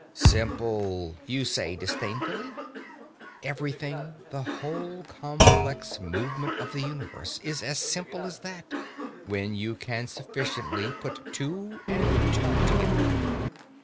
"Simple!" you say, disdainfully. Everything the whole complex movement of the universe is as simple as that when you can sufficiently put two and two together.